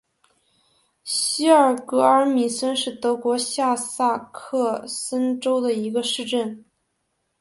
希尔格尔米森是德国下萨克森州的一个市镇。